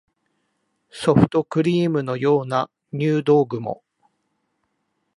ソフトクリームのような入道雲